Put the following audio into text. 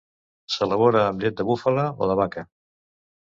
S'elabora amb la llet de búfala o de vaca.